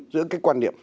giữa cái quan niệm